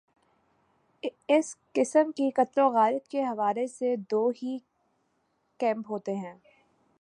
اس قسم کی قتل وغارت کے حوالے سے دو ہی کیمپ ہوتے ہیں۔